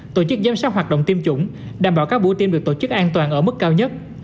tổ chức giám sát hoạt động tiêm chủng đảm bảo các buổi tiêm được tổ chức an toàn ở mức cao nhất